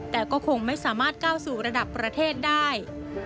แต่ก็คงไม่สามารถก้าวสู่ระดับประเทศได้